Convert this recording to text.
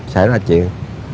xảy ra chuyện